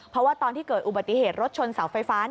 เพราะว่าตอนที่เกิดอุบัติเหตุรถชนเสาไฟฟ้า